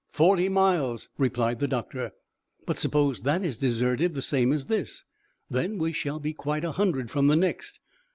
"Forty miles," replied the doctor. "But suppose that is deserted, the same as this?" "Then we shall be quite a hundred from the next."